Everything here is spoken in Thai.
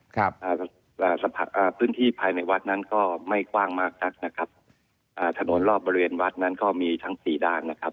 อ่าพื้นที่ภายในวัดนั้นก็ไม่กว้างมากนักนะครับอ่าถนนรอบบริเวณวัดนั้นก็มีทั้งสี่ด้านนะครับ